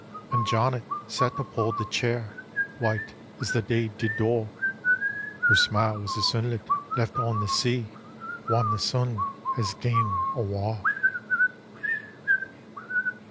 And Janet sat upo' the chair. White as the day did daw. Her smile was as sunlight left on the sea Whan the sun has gane awa.